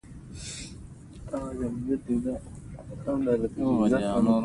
هغه په کان کې د سرو زرو د را ايستلو پر مهال وه.